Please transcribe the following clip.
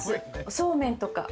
そうめんとか。